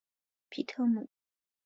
皮特姆。